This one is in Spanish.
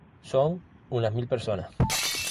Son unas mil personas.